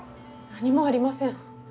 何もありません。